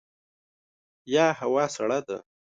یه هوا سړه ده !